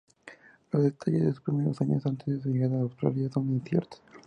Los detalles de sus primeros años, antes de su llegada a Australia, son inciertas.